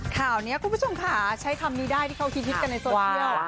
ข่าวนี้คุณผู้ชมคะใช้คำนี้ได้ที่เขาคิดพิกันในโดย